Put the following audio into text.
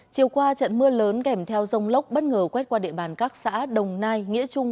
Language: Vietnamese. chiều qua trận mưa lớn kèm theo rông lốc bất ngờ quét qua địa bàn các xã đồng nai nghĩa trung